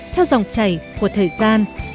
theo dòng chảy của thời gian